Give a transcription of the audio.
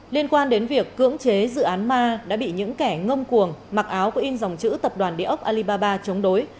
liên quan đến việc cưỡng chế dự án ma đã bị những kẻ ngông cuồng mặc áo của in dòng chữ tập đoàn địa ốc alibaba chống đối